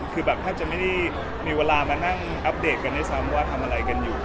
คือแบบแทบจะไม่ได้มีเวลามานั่งอัปเดตกันด้วยซ้ำว่าทำอะไรกันอยู่